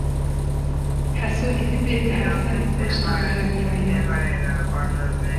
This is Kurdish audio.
Heso êdî pê dihese ku jina wî reviyaye